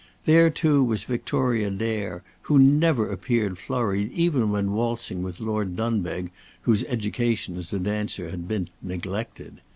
There, too, was Victoria Dare, who never appeared flurried even when waltzing with Lord Dunbeg, whose education as a dancer had been neglected.